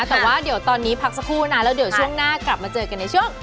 แต่ว่าเดี๋ยวตอนนี้พักสักครู่นะแล้วเดี๋ยวช่วงหน้ากลับมาเจอกันในช่วง